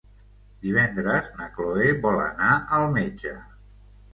Divendres na Cloè vol anar al metge.